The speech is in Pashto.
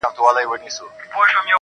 ظالمې دا د ګل ګوزار راباندې ولې کوې